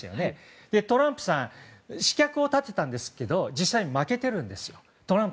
トランプさん刺客を立てたんですけど実際に負けてるんです。